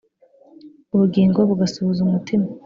ubugingo bugasuhuza umutima